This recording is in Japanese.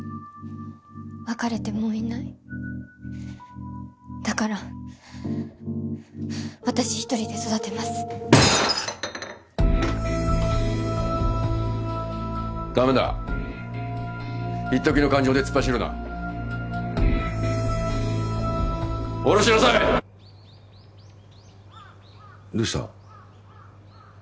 別れてもういないだから私一人で育てますダメだいっときの感情で突っ走るなおろしなさいどうした？